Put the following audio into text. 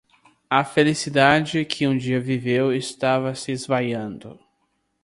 A felicidade que um dia viveu estava se esvaindo.